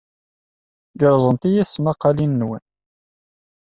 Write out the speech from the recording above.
Gerẓent-iyi tesmaqqalin-nwen.